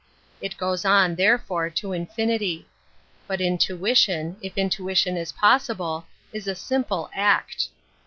It goes on, therefore, to infinity. But intuition, if intuition is possible, is a simple act.